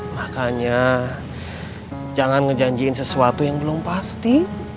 makanya jangan ngejanjiin sesuatu yang belum pasti